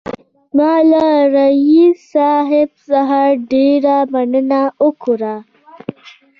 ما له رییس صاحب څخه ډېره مننه وکړه.